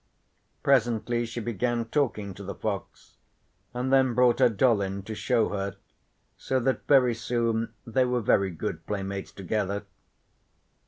Presently she began talking to the fox, and then brought her doll in to show her so that very soon they were very good playmates together.